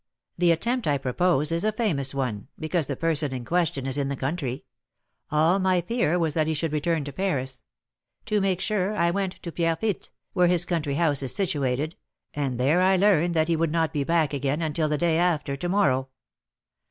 The attempt I propose is a famous one, because the person in question is in the country; all my fear was that he should return to Paris. To make sure, I went to Pierrefitte, where his country house is situated, and there I learned that he would not be back again until the day after to morrow."